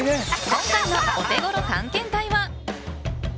今回のオテゴロ探検隊は。